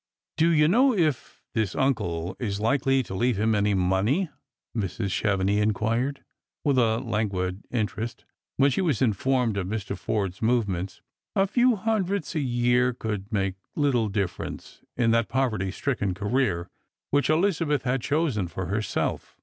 " Do you know if this uncle is likely to leave him any money ?" Mrs. Chevenix inquired, with a languid interest, when she was informed of Mi . Forde's movements. A few hundreds a year could make little difference in that poverty stricken career which Elizabeth had chosen for herself.